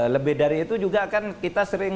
lebih dari itu juga kan kita sering